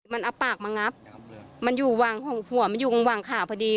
มันเอาปากมางับมันอยู่ห่วงหัวมันอยู่ข้างหวังขาพอดี